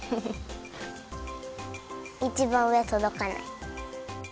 いちばんうえとどかない。